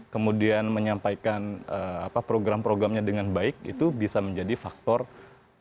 kemudian menyampaikan program programnya dengan baik itu bisa menjadi faktor yang lebih baik untuk pemilih tps